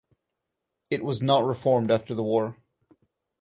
It was not reformed after the war.